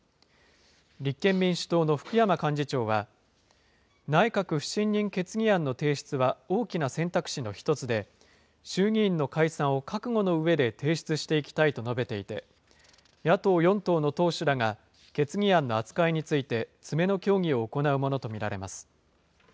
立憲民主党の福山幹事長は、内閣不信任決議案の提出は大きな選択肢の１つで、衆議院の解散を覚悟の上で提出していきたいと述べていて、野党４党の党首らが、決議案の扱いについて、詰めの協議を行うものと見られます。